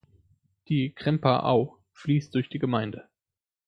Die Kremper Au fließt durch die Gemeinde.